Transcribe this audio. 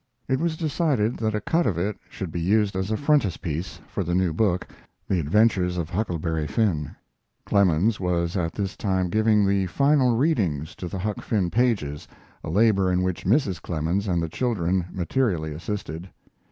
It was decided that a cut of it should be used as a frontispiece for the new book, The Adventures of Huckleberry Finn. Clemens was at this time giving the final readings to the Huck Finn pages, a labor in which Mrs. Clemens and the children materially assisted.